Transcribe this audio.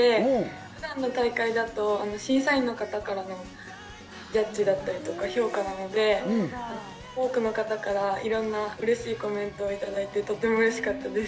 普段の大会だと審査員の方からのジャッジだったりとか評価なので多くの方からいろんなうれしいコメントを頂いてとてもうれしかったです。